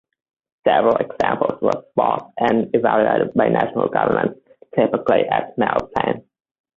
Several examples were bought and evaluated by national governments, typically as mail planes.